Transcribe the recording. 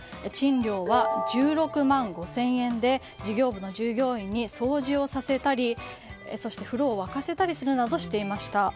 賃料は１６万５０００円で事業部の従業員に掃除をさせたり風呂を沸かせたりするなどしていました。